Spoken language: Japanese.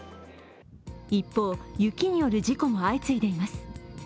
一方、雪による事故も相次いでいます。